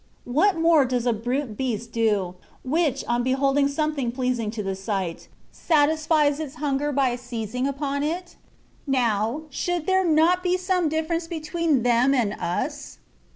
What more does a brute beast do, which, on beholding something pleasing to the sight, satisfies its hunger by seizing upon it ? Now, should there not be some diflference between them and us